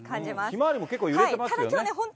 ひまわりも結構揺れてますよね。